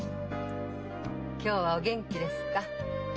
今日はお元気ですか？